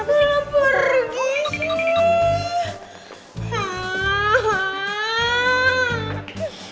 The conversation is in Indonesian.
kenapa pergi sih